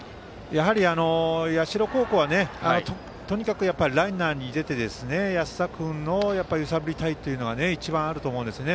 やはり、社高校はとにかくランナーが出て安田君を揺さぶりたいというのが一番あると思うんですよね。